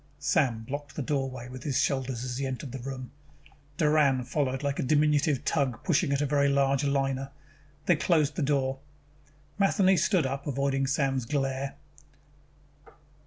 Sam blocked the doorway with his shoulders as he entered the room. Doran followed like a diminutive tug pushing a very large liner. They closed the door. Matheny stood up, avoiding Sam's glare.